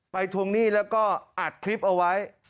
ทวงหนี้แล้วก็อัดคลิปเอาไว้